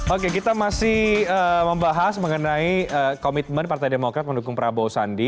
oke kita masih membahas mengenai komitmen partai demokrat mendukung prabowo sandi